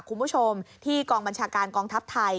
คุณผู้ชมที่กองบัญชาการกองทัพไทย